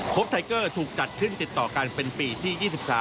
ไทเกอร์ถูกจัดขึ้นติดต่อกันเป็นปีที่๒๓